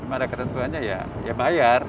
cuma ada ketentuannya ya bayar